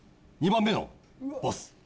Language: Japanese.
３番目のボス。